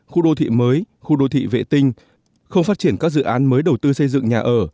khu đô thị mới khu đô thị vệ tinh không phát triển các dự án mới đầu tư xây dựng nhà ở